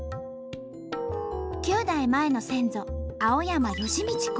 ９代前の先祖青山幸道公。